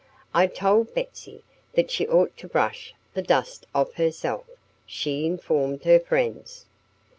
"I told Betsy that she ought to brush the dust off herself," she informed her friends.